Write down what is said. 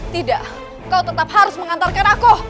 tidak kau tetap harus mengantarkan aku